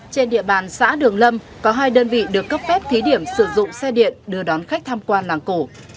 trên địa bàn xã đường lâm có hai đơn vị được cấp phép thí điểm sử dụng xe điện đưa đón khách tham quan làng cổ